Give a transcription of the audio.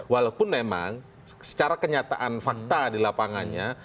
walaupun memang secara kenyataan fakta di lapangannya